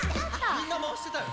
みんなまわしてたよ。